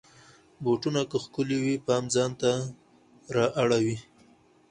بوټونه که ښکلې وي، پام ځان ته را اړوي.